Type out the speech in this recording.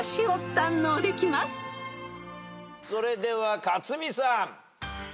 それでは克実さん。